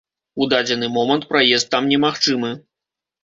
У дадзены момант праезд там немагчымы.